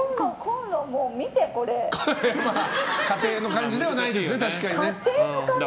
家庭の感じではないですね。